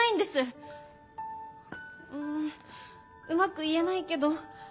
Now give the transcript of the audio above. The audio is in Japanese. んうまく言えないけど。